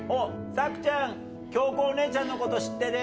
さくちゃん京子お姉ちゃんのこと知ってる？